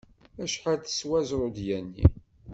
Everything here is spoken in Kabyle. Acḥal teswa zrudya-nni?